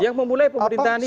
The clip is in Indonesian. yang memulai pemerintahan ini